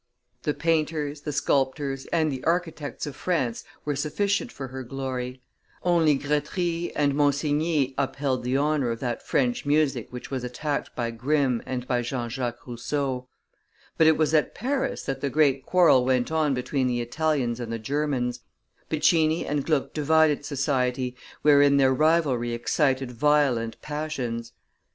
The painters, the sculptors, and the architects of France were sufficient for her glory; only Gretry and Monsigny upheld the honor of that French music which was attacked by Grimm and by Jean Jacques Rousseau; but it was at Paris that the great quarrel went on between the Italians and the Germans; Piccini and Gluck divided society, wherein their rivalry excited violent passions.